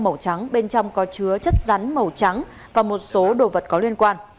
màu trắng bên trong có chứa chất rắn màu trắng và một số đồ vật có liên quan